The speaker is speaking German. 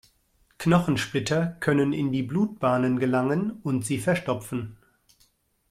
Knochensplitter können in die Blutbahnen gelangen und sie verstopfen.